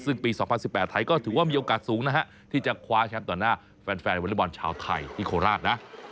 ซึ่งปี๒๐๑๘ไทยก็ถือว่ามีโอกาสสูงนะฮะที่จะคว้าแชมป์ต่อหน้าแฟนวอเล็กบอลชาวไทยที่โคราชนะ